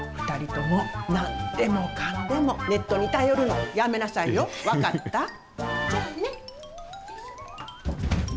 ２人とも何でもかんでもネットに頼るのはやめなさいよ、分かった？